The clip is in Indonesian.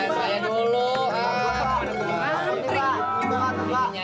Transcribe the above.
sampai jumpa di video selanjutnya